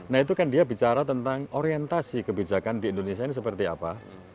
nah itu kan dia bicara tentang orientasi kebijakan di indonesia ini seperti apa